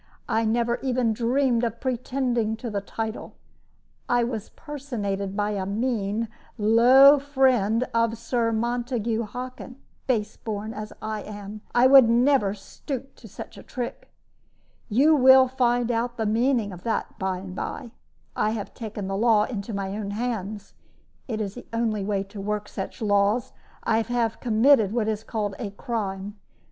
I never even dreamed of pretending to the title. I was personated by a mean, low friend of Sir Montague Hockin; base born as I am, I would never stoop to such a trick. You will find out the meaning of that by and by. I have taken the law into my own hands it is the only way to work such laws I have committed what is called a crime.